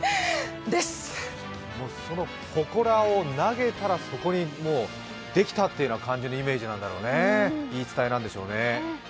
そのほこらを投げたらそこにできたという感じのイメージ、言い伝えなんでしょうね。